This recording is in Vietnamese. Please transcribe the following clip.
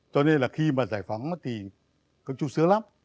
cho nên là khi mà giải phóng thì có chút sướng lắm